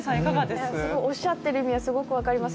すごいおっしゃってる意味はすごく分かります